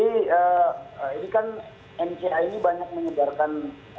ini kan mca ini banyak menyebarkan